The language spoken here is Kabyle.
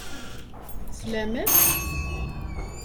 Teslam-as?